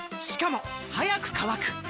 しかも速く乾く！